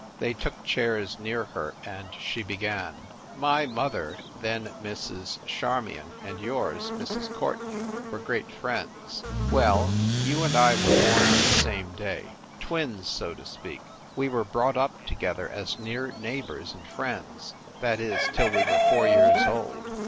They took chairs near her and she began : "My mother, then Mrs. Charmion, and yours, Mrs. Courtenay, were great friends. Well, you and I were born on the same day. Twins, so to speak. We were brought up together as near neighbors and friends, that is, till we were four years old.